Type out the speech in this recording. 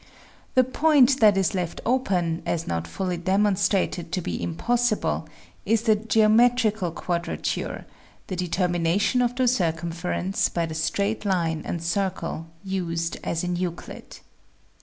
The point that is left open, as not fully demonstrated to be impossible, is the geometrical quadrature, the determina tion of the circumference by the straight line and circle, used as in Euclid."